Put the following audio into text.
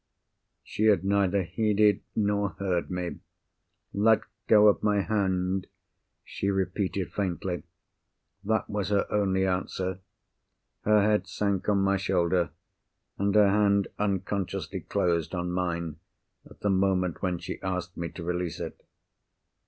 She had neither heeded nor heard me. "Let go of my hand," she repeated faintly. That was her only answer. Her head sank on my shoulder; and her hand unconsciously closed on mine, at the moment when she asked me to release it.